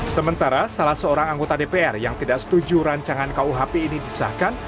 sementara salah seorang anggota dpr yang tidak setuju rancangan kuhp ini disahkan